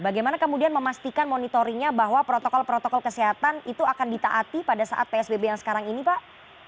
bagaimana kemudian memastikan monitoringnya bahwa protokol protokol kesehatan itu akan ditaati pada saat psbb yang sekarang ini pak